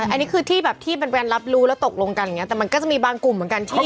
อันนี้คือที่แบบที่เป็นแวนรับรู้แล้วตกลงกันอย่างนี้แต่มันก็จะมีบางกลุ่มเหมือนกันที่